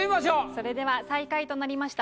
それでは最下位となりました